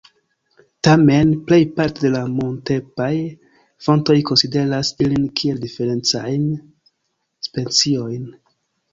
Tamen, plejparte de la nuntempaj fontoj konsideras ilin kiel diferencajn speciojn.